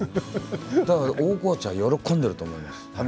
大河内は喜んでいると思います。